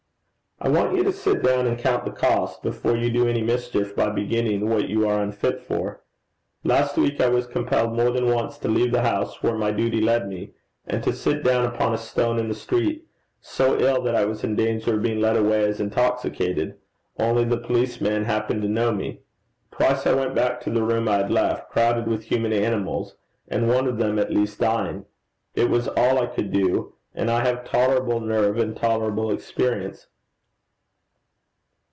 'I want you to sit down and count the cost, before you do any mischief by beginning what you are unfit for. Last week I was compelled more than once to leave the house where my duty led me, and to sit down upon a stone in the street, so ill that I was in danger of being led away as intoxicated, only the policeman happened to know me. Twice I went back to the room I had left, crowded with human animals, and one of them at least dying. It was all I could do, and I have tolerable nerve and tolerable experience.'